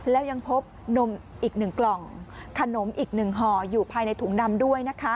แล้วยังพบนมอีกหนึ่งกล่องขนมอีกหนึ่งห่ออยู่ภายในถุงนำด้วย